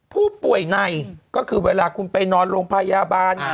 ผู้ป่วยในก็คือเวลาคุณไปนอนโรงพยาบาล